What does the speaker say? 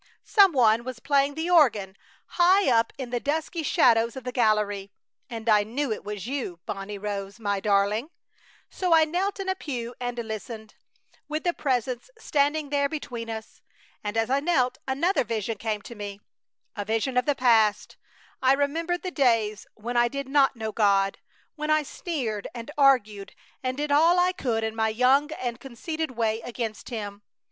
Some one was playing the organ, high up in the dusky shadows of the gallery, and I knew it was you, Bonnie Rose, my darling! So I knelt in a pew and listened, with the Presence standing there between us. And as I knelt another vision came to me, a vision of the past! I remembered the days when I did not know God; when I sneered and argued and did all I could in my young and conceited way against Him.